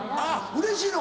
うれしいの？